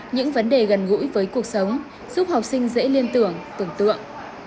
những vấn đề gần gũi với cuộc sống giúp học sinh dễ liên tưởng tưởng tượng